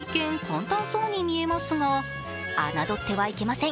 一見簡単そうに見えますが侮ってはいけません。